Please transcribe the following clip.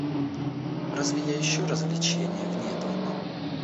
Разве я ищу развлечения вне дома?